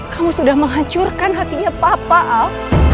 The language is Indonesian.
kamu sudah menghancurkan hatinya papa al